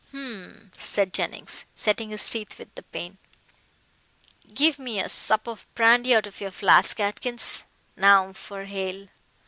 "Humph!" said Jennings, setting his teeth with the pain, "give me a sup of brandy out of your flask, Atkins. Now for Hale."